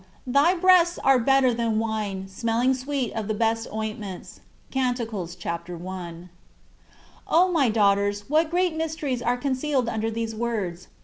Thy breasts are better than wine, smelling sweet of the best ointments." — (Canticles, chap, i.) O MY daughters, what great mysteries are con cealed imder these words